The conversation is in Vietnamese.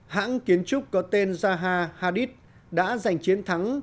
hãng kiến trúc có tên zaha hadid đã giành chiến thắng